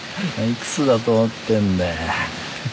いくつだと思ってんだよヘヘ。